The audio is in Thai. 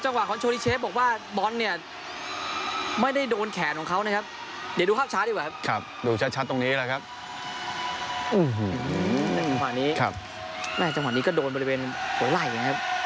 อย่างจังหวะนี้ไม่ที่จังหวะนี้กะโดนบริเวณหัวไหล่นะครับ